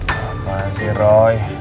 gak apa apa sih roy